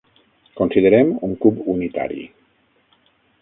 Considerem un cub unitari.